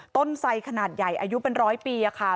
ไสขนาดใหญ่อายุเป็นร้อยปีค่ะ